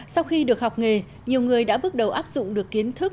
sau khi được học nghề nhiều người đã bước đầu áp dụng được kiến thức